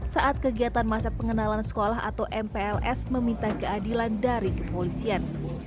saat kegiatan masa pengenalan sekolah atau mpls meminta keadilan dari kepolisian